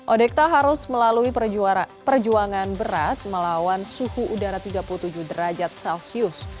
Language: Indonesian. odekta harus melalui perjuangan berat melawan suhu udara tiga puluh tujuh derajat celcius